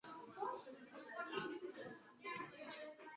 原型可能是一种用竹子制作的山猪陷阱。